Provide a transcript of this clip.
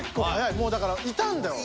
もうだからいたんだよ。